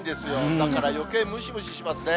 だからよけいムシムシしますね。